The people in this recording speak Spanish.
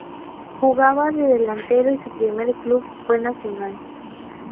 Jugaba de delantero y su primer club fue Nacional.